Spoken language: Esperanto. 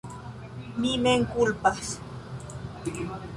Mi mem kulpas.